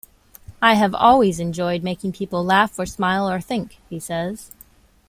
I have always enjoyed making people laugh or smile or think, he says.